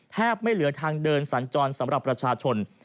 ไม่เหลือทางเดินสัญจรสำหรับประชาชน